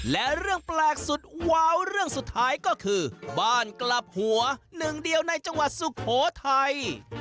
และเรื่องแปลกสุดว้าวเรื่องสุดท้ายก็คือบ้านกลับหัวหนึ่งเดียวในจังหวัดสุโขทัย